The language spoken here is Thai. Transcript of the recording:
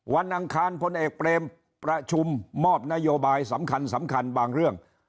อังคารพลเอกเปรมประชุมมอบนโยบายสำคัญสำคัญบางเรื่อง